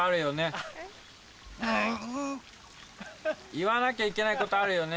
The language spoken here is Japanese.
言わなきゃいけないことあるよね。